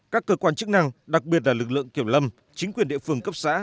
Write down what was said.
các cơ quan chức năng đặc biệt là lực lượng kiểm lâm chính quyền địa phương cấp xã